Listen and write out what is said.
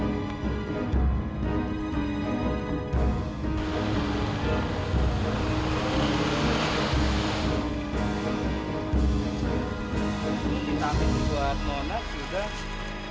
ini tapi buat tuan sudah